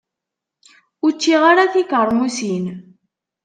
Ur ččiɣ ara tikermusin.